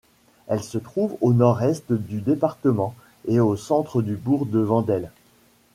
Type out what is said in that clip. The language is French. Elle se trouve au nord-est du département et au centre du bourg de Vendel.